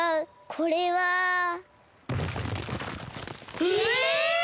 これは。ええ！